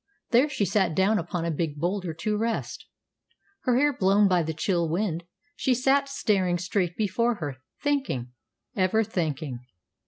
There she sat down upon a big boulder to rest. Her hair blown by the chill wind, she sat staring straight before her, thinking ever thinking.